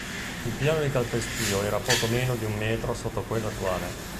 Il piano di calpestio era poco meno di un metro sotto quello attuale.